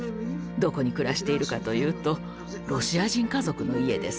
どこに暮らしているかというとロシア人家族の家です。